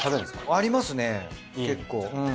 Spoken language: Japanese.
ありますね結構。